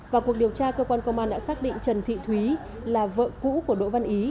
vào cuộc điều tra cơ quan công an đã xác định trần thị thúy là vợ cũ của đỗ văn ý